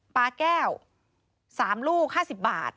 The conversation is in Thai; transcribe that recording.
ปลาแก้ว๓ลูก๕๐บาท